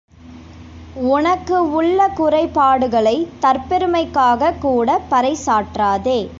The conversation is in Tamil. உனக்கு உள்ள குறைபாடுகளைத் தற்பெருமைக்காகக் கூடப் பறைசாற்றாதே.